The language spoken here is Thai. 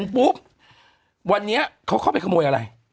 ปุ๊บวันนี้เขาเข้าไปขโมยอะไร